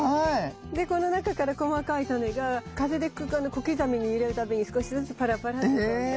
でこの中から細かい種が風で小刻みに揺れるたびに少しずつパラパラっと飛んで。